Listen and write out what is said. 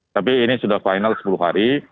tapi ini sudah final sepuluh hari